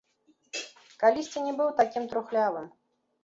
Калісьці не быў такім трухлявым.